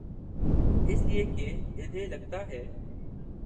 اس لئے کہ انہیں لگتا ہے۔